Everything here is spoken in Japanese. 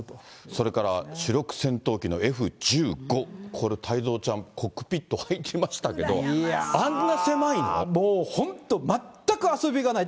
それから主力戦闘機のＦ１５、これ、太蔵ちゃん、コックピット入りましたけど、もう本当、全く遊びがない。